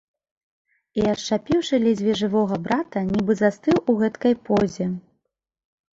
І, ашчапіўшы ледзьве жывога брата, нібы застыў у гэткай позе.